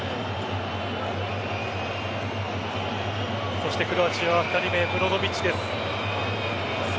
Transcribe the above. そしてクロアチアは２人目ブロゾヴィッチです。